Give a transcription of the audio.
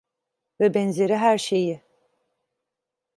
Ve benzeri her şeyi…